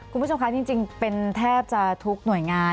คุณผู้ชมคะจริงเป็นแทบจะทุกหน่วยงาน